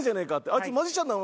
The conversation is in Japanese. あいつマジシャンなの？